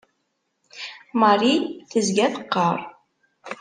Marie tezga teqqar.